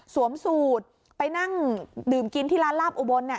สูตรไปนั่งดื่มกินที่ร้านลาบอุบล